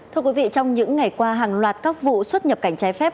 thưa quý vị trong những ngày qua hàng loạt các vụ xuất nhập cảnh trái phép